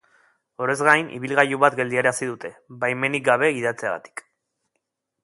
Horrez gain, ibilgailu bat geldiarazi dute, baimenik gabe gidatzeagatik.